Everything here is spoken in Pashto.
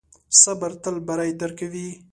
صبر تل بری درکوي.